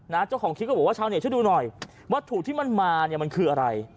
เจ้าของคลิปก็บอกว่าชาวเน็ตช่วยดูหน่อยวัตถุที่มันมาเนี่ยมันคืออะไร